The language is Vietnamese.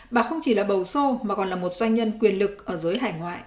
bà không chỉ là bầu sô mà còn là một doanh nhân quyền lực ở giới hải ngoại